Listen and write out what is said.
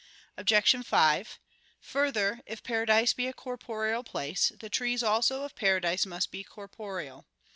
Obj. 5: Further, if paradise be a corporeal place, the trees also of paradise must be corporeal.